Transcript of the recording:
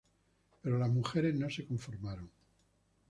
Pero las mujeres no se conformaron.